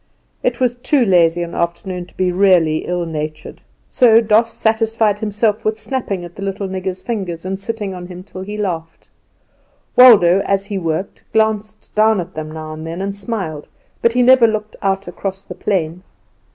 It was too lazy an afternoon to be really ill natured, so Doss satisfied himself with snapping at the little nigger's fingers, and sitting on him till he laughed. Waldo, as he worked, glanced down at them now and then, and smiled; but he never looked out across the plain.